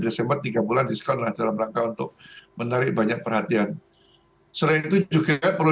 desember tiga bulan diskon adalah dalam rangka untuk menarik banyak perhatian selain itu juga perlu